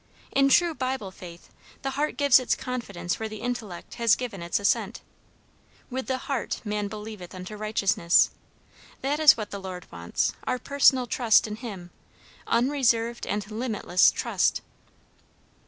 In true Bible faith, the heart gives its confidence where the intellect has given its assent. 'With the heart man believeth unto righteousness.' That is what the Lord wants; our personal trust in him; unreserved and limitless trust."